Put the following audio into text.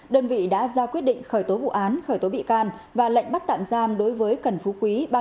đơn vị đã ra quyết định khởi tố vụ án khởi tố bị can và lệnh bắt tạm giam đối với trần phú quý